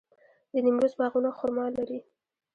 د نیمروز باغونه خرما لري.